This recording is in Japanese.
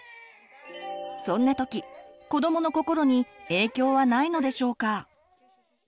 そんな時子どもの心に影響はないのでしょうか？